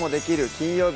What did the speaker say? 金曜日」